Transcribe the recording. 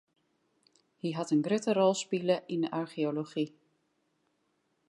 Hy hat in grutte rol spile yn de archeology.